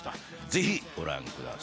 ぜひご覧ください。